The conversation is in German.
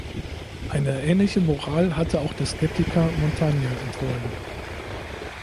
Eine ähnliche Moral hatte auch der Skeptiker Montaigne empfohlen.